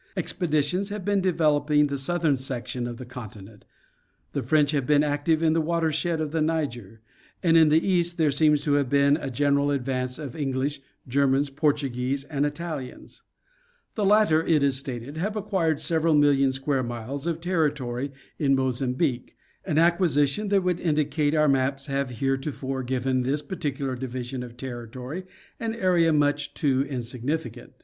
Expeditions have been developing the southern section of the continent ; the French have been active in the watershed of the Niger, and in the east there seems to have been a general advance of English, Germans, Portuguese and Italians. The latter, it is stated, have acquired several million square miles of territory in Mozambique, an acquisition that would indicate our maps have heretofore given this particular division of territory an area much too insignificant.